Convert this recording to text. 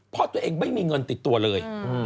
เพราะตัวเองไม่มีเงินติดตัวเลย